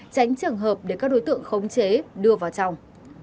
tránh trường hợp để các đối tượng khống chế đưa vào trong